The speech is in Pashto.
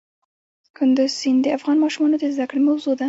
کندز سیند د افغان ماشومانو د زده کړې موضوع ده.